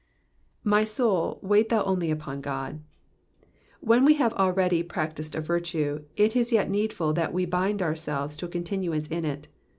jry soul, wait thou only upon Qody When we have already practised a virtue, it is yet needful that we bind ourselves to a continuance in it.